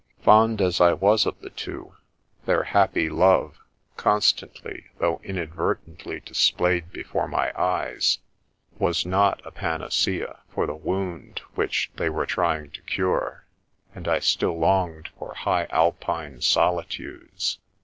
Fond as I was of the two, their happy love, constantly though inadvertently displayed before my eyes, was not a panacea for the 32 The Princess Passes wound which they were trying to cure, and I still longed for high Alpine solitudes.